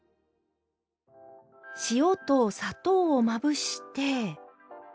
塩と砂糖をまぶして。